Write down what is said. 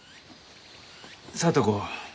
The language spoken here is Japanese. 聡子。